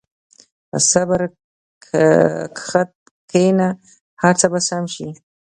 په صبر کښېنه، هر څه به سم شي.